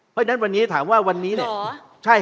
เพราะฉะนั้นวันนี้ถามว่าวันนี้เนี่ยใช่